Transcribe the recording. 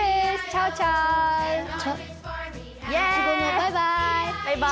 バイバイ！